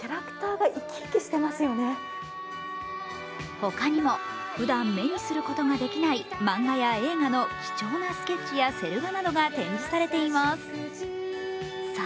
ほかにもふだん目にすることができない漫画や映画の貴重なスケッチやセル画などが展示されています。